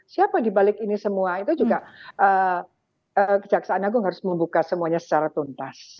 siapa dibalik ini semua itu juga kejaksaan agung harus membuka semuanya secara tuntas